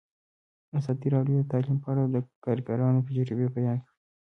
ازادي راډیو د تعلیم په اړه د کارګرانو تجربې بیان کړي.